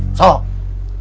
masih kurang berwibawa